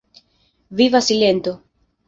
Viva silento.